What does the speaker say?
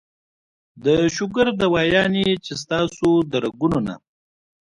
د شوګر دوايانې چې ستاسو د رګونو نه